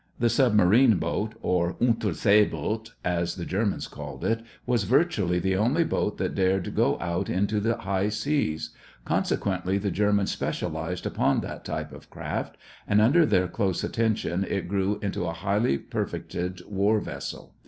The submarine boat, or unterseeboot as the Germans called it, was virtually the only boat that dared go out into the high seas; consequently, the Germans specialized upon that type of craft and under their close attention it grew into a highly perfected war vessel.